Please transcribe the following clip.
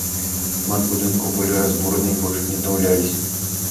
Шмат будынкаў былі разбураны, і больш не аднаўлялісь.